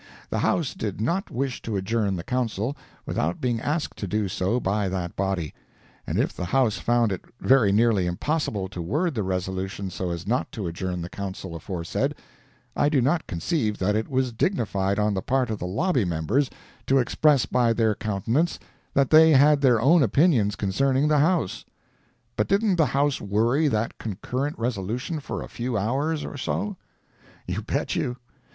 The House did not wish to adjourn the Council without being asked to do so by that body, and if the House found it very nearly impossible to word the resolution so as not to adjourn the Council aforesaid, I do not conceive that it was dignified on the part of the lobby members to express by their countenances that they had their own opinions concerning the House. But didn't the House worry that concurrent resolution for a few hours or so? You bet you.